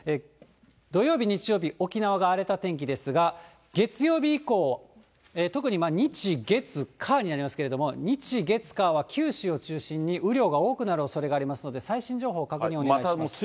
土曜日、日曜日、沖縄が荒れた天気ですが、月曜日以降、特に日、月、火になりますけれども、日、月、火は九州を中心に雨量が多くなるおそれがありますので、最新情報を確認お願いします。